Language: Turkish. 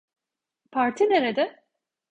Parti nerede?